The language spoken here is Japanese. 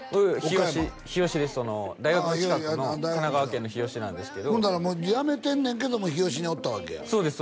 日吉です大学の近くの神奈川県の日吉なんですけどほんならもうやめてんねんけども日吉におったわけやそうです